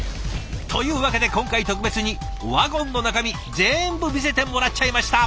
というわけで今回特別にワゴンの中身全部見せてもらっちゃいました！